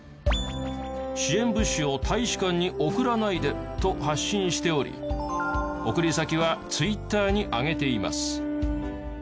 支援物資を大使館に送らないでと発信しており送り先はＴｗｉｔｔｅｒにあげています。